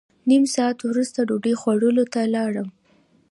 نیم ساعت وروسته ډوډۍ خوړلو ته لاړم.